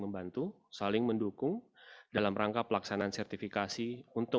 membantu saling mendukung dalam rangka pelaksanaan sertifikasi untuk